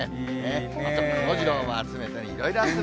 あとくもジローを集めたり、いろいろ。